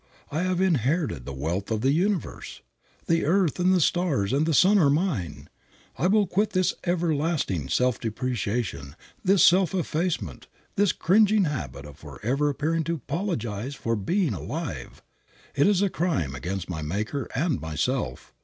I have inherited the wealth of the universe. The earth and the stars and the sun are mine. I will quit this everlasting self depreciation, this self effacement, this cringing habit of forever appearing to apologize for being alive. It is a crime against my Maker and myself.